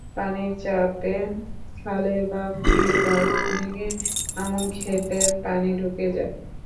পানির চাপে খালের বাম তীর বাঁধ ভেঙে আমনখেতে পানি ঢুকে যায়।